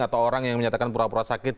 atau orang yang menyatakan pura pura sakit